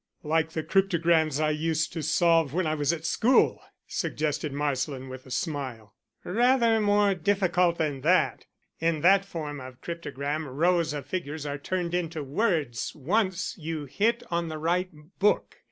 "Like the cryptograms I used to solve when I was at school," suggested Marsland, with a smile. "Rather more difficult than that. In that form of cryptogram rows of figures are turned into words once you hit on the right book.